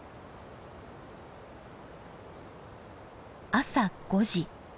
朝５時。